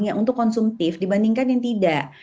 yang untuk konsumtif dibandingkan yang tidak